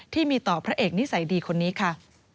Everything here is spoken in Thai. ที่มีต่อพระเอกนิสัยดีคนนี้ค่ะ